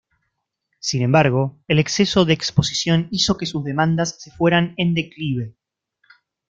Sin embargo, el exceso de exposición hizo que sus demandas se fueran en declive.